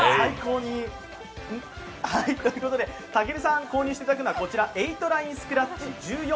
たけるさんに購入していただくのはこちら、８ラインスクラッチ１４